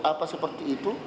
apa seperti itu